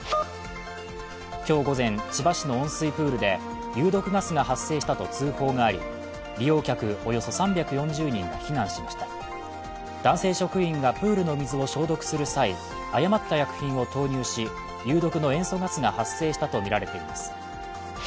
今日午前、千葉市の温水プールで有毒ガスが発生したと通報があり利用客およそ３４０人が避難しました男性職員がプールの水を消毒する際、誤った薬品を投入し有毒の塩素ガスが発生したとみられています。